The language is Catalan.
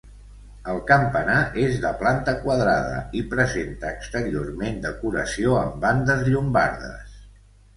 El campanar és de planta quadrada i presenta exteriorment decoració amb bandes llombardes.